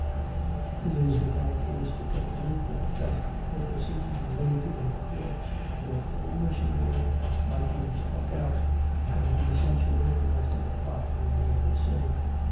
It is the characteristic of a real book that, though the scene be laid in courts, their whole machinery might be struck out and the essential interest of the plot remain the same.